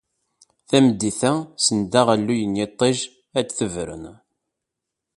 Tameddit-a, send aɣelluy n yiṭij ad d-tebren.